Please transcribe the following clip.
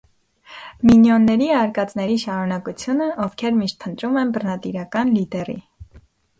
Մինիոնների արկածների շարունակությունը, ովքեր միշտ փնտրում են բռնատիրական լիդերի։